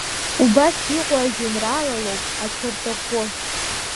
Убас иҟоу ажәеинраалалоуп Ацәарҭаӷәы.